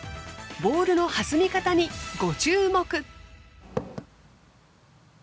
ボールの弾み方にご注目。